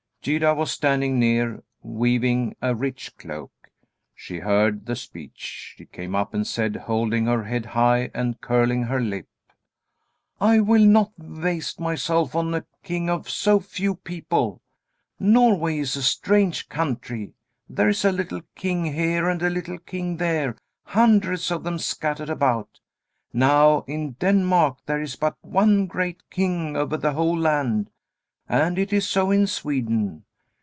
Gyda was standing near, weaving a rich cloak. She heard the speech. She came up and said, holding her head high and curling her lip: "I will not waste myself on a king of so few people. Norway is a strange country. There is a little king here and a little king there hundreds of them scattered about. Now in Denmark there is but one great king over the whole land. And it is so in Sweden.